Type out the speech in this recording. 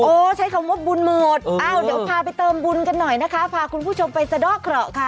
ใช้คำว่าบุญหมดอ้าวเดี๋ยวพาไปเติมบุญกันหน่อยนะคะพาคุณผู้ชมไปสะดอกเคราะห์ค่ะ